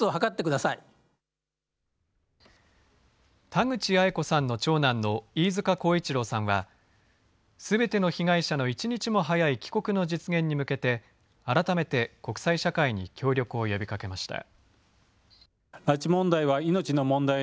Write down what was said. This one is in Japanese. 田口八重子さんの長男の飯塚耕一郎さんはすべての被害者の１日も早い帰国の実現に向けて改めて、国際社会に協力を呼びかけました。